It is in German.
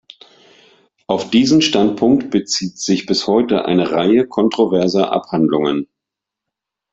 Auf diesen Standpunkt bezieht sich bis heute eine Reihe kontroverser Abhandlungen.